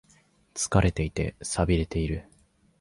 疲れていて、寂れている。